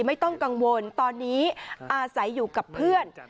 ไม่ต้องกังวลตอนนี้อาศัยอยู่กับเพื่อน